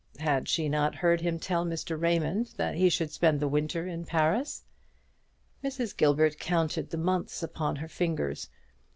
Had she not heard him tell Mr. Raymond that he should spend the winter in Paris? Mrs. Gilbert counted the months upon her fingers.